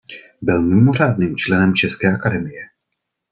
Byl mimořádným členem České akademie.